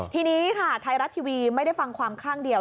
ทีนี้ค่ะไทยรัฐทีวีไม่ได้ฟังความข้างเดียว